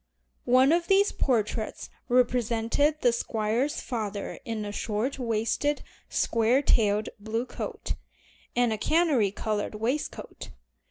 One of these portraits represented the Squire's father in a short waisted, square tailed blue coat, and a canary colored waistcoat.